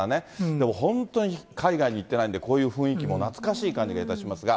でも本当に海外に行ってないんで、こういう雰囲気も懐かしい感じがいたしますが。